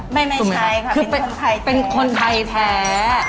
ไม่ใช่ค่ะคือเป็นคนไทยแท้